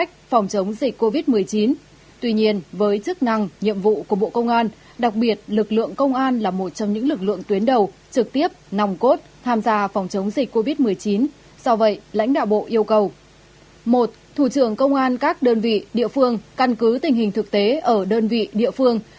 đồng chí trưởng ban chỉ đạo phòng chống dịch bệnh covid một mươi chín các cấp ở địa phương